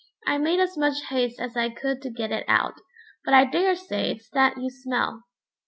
I made as much haste as I could to get it out, but I daresay it's that you smell."